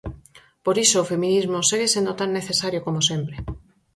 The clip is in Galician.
Por iso o feminismo segue sendo tan necesario como sempre.